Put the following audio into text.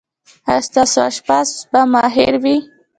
ایا ستاسو اشپز به ماهر وي؟